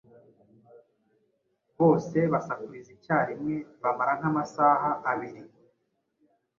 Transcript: bose basakuriza icyarimwe, bamara nk’amasaha abiri,